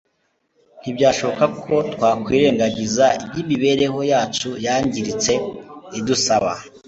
Mu mbaraga zacu ntibyashoboka ko twakwirengagiza iby'imibereho yacu yangiritse idusaba